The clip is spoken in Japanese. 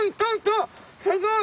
すギョい！